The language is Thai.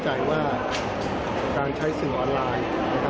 ช่วยให้เขามีช่องทางที่จะเข้าสู่ตลาดลูกค้า